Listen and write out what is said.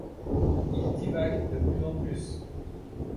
Il divague de plus en plus.